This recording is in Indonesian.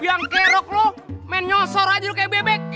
manggang nyerok lu main ngosor kek bebek